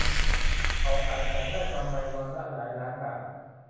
เขาขายของได้กำไรวันละหลายล้านบาท